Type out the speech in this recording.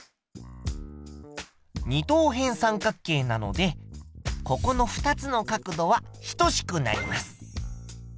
二等辺三角形なのでここの２つの角度は等しくなります。